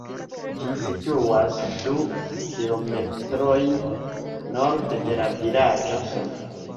Ĝi situas du kilometrojn norde de la vilaĝo Son.